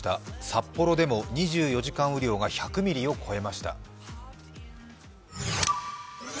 札幌でも２４時間雨量が１００ミリを超えました。